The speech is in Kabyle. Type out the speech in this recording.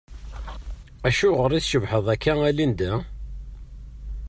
Acuɣeṛ i tcebbḥeḍ akka a Linda?